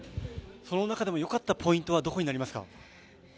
その中でもよかったポイントはどこになりますか？